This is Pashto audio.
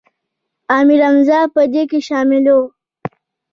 امیر حمزه په دې کې شامل و.